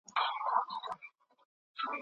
مرګ له ټولو انساني بدبختیو څخه یو خلاصون دی.